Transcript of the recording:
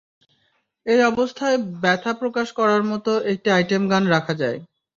এই অবস্থায় ব্যথা প্রকাশ করার মত, একটি আইটেম গান রাখা যায়।